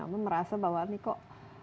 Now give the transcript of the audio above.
kamu merasa bahwa ini kok